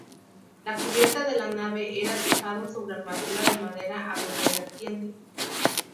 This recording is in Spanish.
La cubierta de la nave era tejado sobre armadura de madera a doble vertiente.